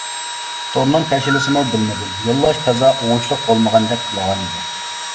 تورنىڭ كاشىلىسىمۇ بىلمىدىم، يوللاش تازا ئوڭۇشلۇق بولمىغاندەك قىلغانىدى.